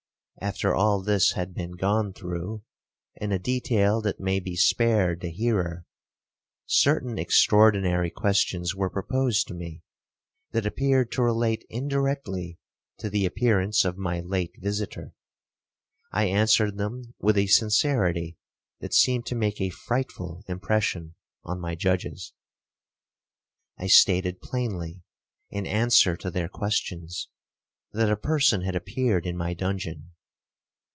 &c. &c. &c.—after all this had been gone through, in a detail that may be spared the hearer, certain extraordinary questions were proposed to me, that appeared to relate indirectly to the appearance of my late visitor. I answered them with a sincerity that seemed to make a frightful impression on my judges. I stated plainly, in answer to their questions, that a person had appeared in my dungeon.